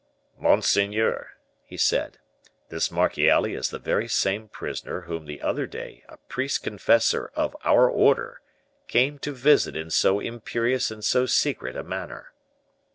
"Monseigneur," he said, "this Marchiali is the very same prisoner whom the other day a priest confessor of our order came to visit in so imperious and so secret a manner."